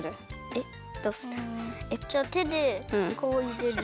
えっ？じゃあてでこういれる。